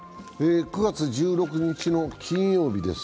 ９月１６日の金曜日です。